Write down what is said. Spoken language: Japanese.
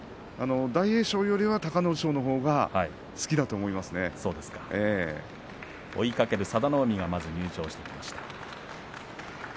大栄翔よりは隆の勝のほうが追いかける佐田の海がまず入場してきました。